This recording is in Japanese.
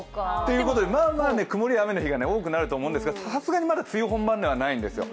まぁまぁ曇りや雨の日が多くなると思いますがさすがにまだ梅雨本番ではないんですよ。